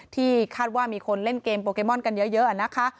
ที่คาดว่ามีคนเล่นเกมโปเกมอนกันเยอะนะคะ